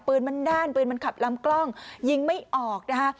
ปืนมันด้านปืนมันขับลำกล้องยิงไม่ออกนะคะ